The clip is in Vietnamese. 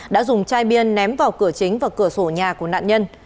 đã dùng chai bia ném vào cửa chính và cửa sổ nhà của nạn nhân